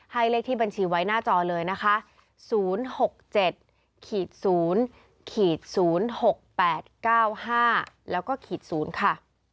ให้เลขที่บัญชีไว้หน้าจอเลยนะคะ